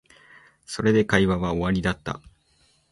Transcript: それで会話は終わりだった